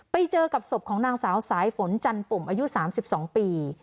ไปเจอกับศพของนางสาวสายฝนจันปุ่มอายุ๓๒ปี